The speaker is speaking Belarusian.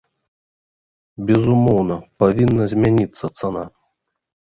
Безумоўна, павінна змяніцца цана!